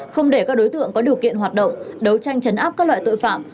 không để các đối tượng có điều kiện hoạt động đấu tranh chấn áp các loại tội phạm